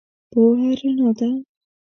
پوهه رنا ده.